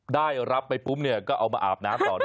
ได้รับไปปุ๊บเนี่ยก็เอามาอาบน้ำต่อด้วย